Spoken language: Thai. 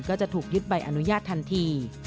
ก็จะถูกยึดใบอนุญาตทันที